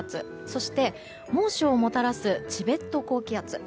そして、猛暑をもたらすチベット高気圧。